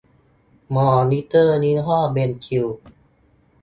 มอนิเตอร์ยี่ห้อเบนคิว